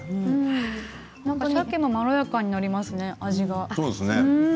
さけもまろやかになりますね味が。